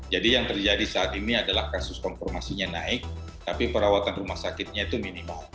jadi yang terjadi saat ini adalah kasus konformasinya naik tapi perawatan rumah sakitnya itu minimal